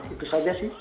itu saja sih